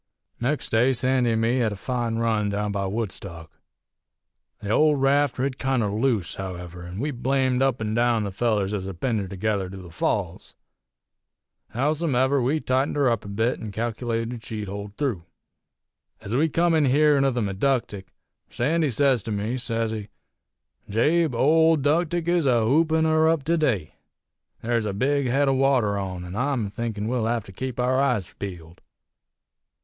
"Nex' day Sandy an' me hed a fine run down by Woodstock. The old raft rid kinder loose, however, an' we blamed up an' down the fellers ez had pinned her together to the Falls. Howsumever, we tightened her up a bit, an' calc'lated she'd hold through. "Ez we come in hearin' of the Meductic, Sandy sez to me, sez he: 'Jabe, old 'Ductic is a hoopin' her up to day. There's a big head o' water on, an' I'm thinkin' we'll hev to keep our eyes peeled.